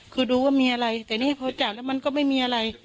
คือดูว่ามีอะไรแต่นี่พอจับแล้วมันก็ไม่มีอะไร